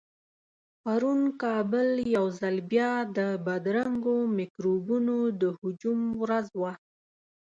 پرون کابل يو ځل بيا د بدرنګو مکروبونو د هجوم ورځ وه.